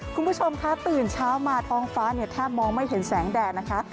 คุณผู้ชมคะตื่นเช้ามาท้องฟ้าเนี่ยแทบมองไม่เห็นแสงแดดนะคะ